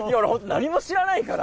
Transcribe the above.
何も知らないから。